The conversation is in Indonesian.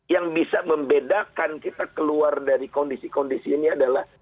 yang bisa membedakan kita keluar dari kondisi kondisi ini adalah